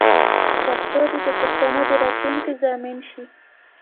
پښتو دې د پښتنو د راتلونکې ضامن شي.